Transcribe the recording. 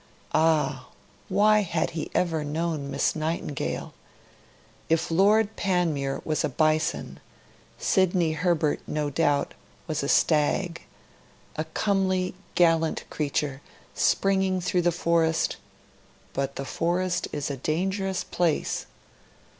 Ah! Why had he ever known Miss Nightingale? If Lord Panmure was a bison, Sidney Herbert, no doubt, was a stag a comely, gallant creature springing through the forest; but the forest is a dangerous place.